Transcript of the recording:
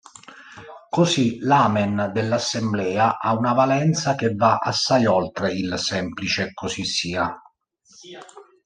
Così l'amen dell'assemblea ha una valenza che va assai oltre il “semplice”: così sia.